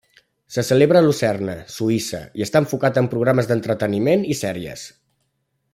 Se celebra a Lucerna, Suïssa, i està enfocat en programes d'entreteniment i sèries.